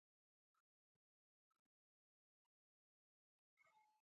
ایا زه باید تور مرچ وخورم؟